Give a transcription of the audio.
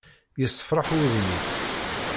Yessefraḥ wudem-ik!